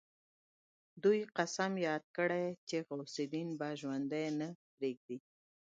دوی قسم ياد کړ چې غوث الدين به ژوندی نه پريږدي.